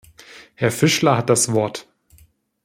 Herr Fischler hat das Wort.